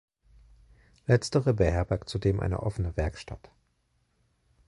Letztere beherbergt zudem eine offene Werkstatt.